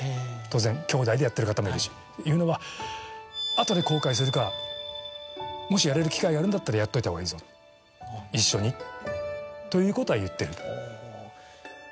当然きょうだいでやってる方もいるし言うのは「後で後悔するからもしやれる機会があるんだったらやっといたほうがいいぞ一緒に」ということは言ってる。